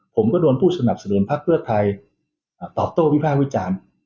ผมก็โดนผู้สนับสนุนพรรคเวือดไทยต่อโต้ววิภาควิจารณ์